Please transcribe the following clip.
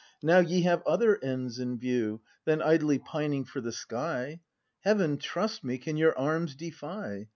Now ye have other ends in view Than idly pining for the sky. Heaven, trust me, can your arms defy.